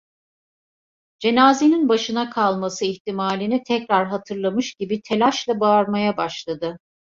Cenazenin başına kalması ihtimalini tekrar hatırlamış gibi telaşla bağırmaya başladı.